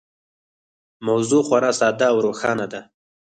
موضوع خورا ساده او روښانه ده.